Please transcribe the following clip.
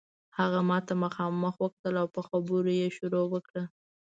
هغه ماته مخامخ وکتل او په خبرو یې شروع وکړه.